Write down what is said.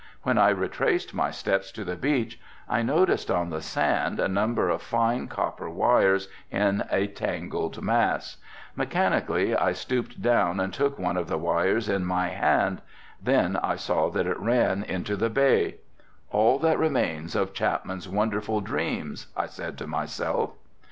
When I retraced my steps to the beach I noticed on the sand a number of fine copper wires in a tangled mass, mechanically I stooped down and took one of the wires in my hand, then I saw that it ran into the bay. "All that remains of Chapman's wonderful dreams," I said to myself.